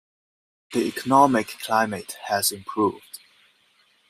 The economic climate has improved.